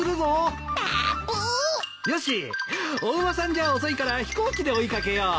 よしお馬さんじゃ遅いから飛行機で追い掛けよう。